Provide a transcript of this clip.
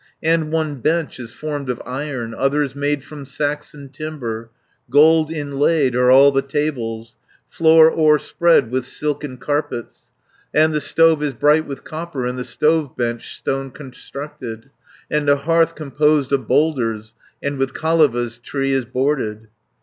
"And one bench is formed of iron, Others made from Saxon timber, Gold inlaid are all the tables; Floor o'erspread with silken carpets. 170 "And the stove is bright with copper, And the stove bench stone constructed, And the hearth composed of boulders, And with Kaleva's tree is boarded."